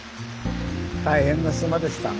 大変な島でした。